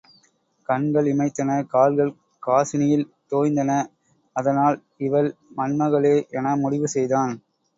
கண்கள் இமைத்தன கால்கள் காசினியில் தோய்ந்தன அதனால் இவள் மண்மகளே என முடிவு செய்தான்.